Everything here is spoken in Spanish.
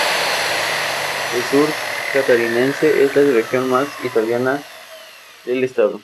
El Sur catarinense es la región más italiana del Estado.